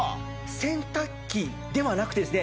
洗濯機ではなくてですね